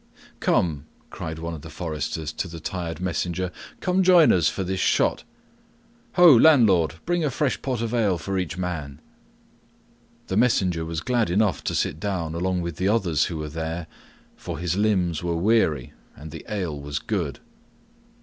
"Come," cried one of the foresters to the tired messenger, "come join us for this shot. Ho, landlord! Bring a fresh pot of ale for each man." The messenger was glad enough to sit down along with the others who were there, for his limbs were weary and the ale was good.